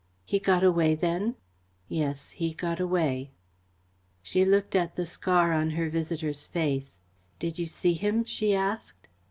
"He got away then?" "Yes, he got away." She looked at the scar on her visitor's face. "Did you see him?" she asked.